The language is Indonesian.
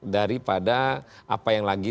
daripada apa yang lagi